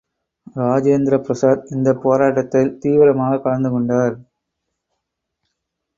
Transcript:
ராஜேந்திர பிரசாத் இந்தப் போராட்டத்தில் தீவிரமாய் கலந்து கொண்டார்.